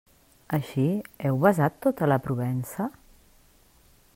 Així, ¿heu besat tota la Provença?